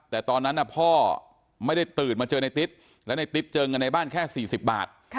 แต่ตอนนั้นพ่อไม่ได้ตื่นมาเจอในติ๊บและในติ๊บเจอเงินในบ้านแค่๔๐บาท